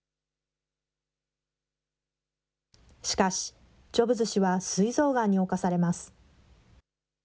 しかし、ジョブズ氏はすい臓がんに侵されます。